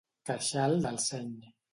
Queixal del seny.